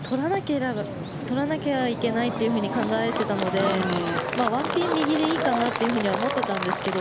取らなきゃいけないって考えていたので１ピン右でいいかなと思ってたんですけど